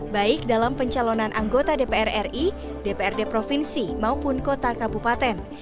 baik dalam pencalonan anggota dpr ri dprd provinsi maupun kota kabupaten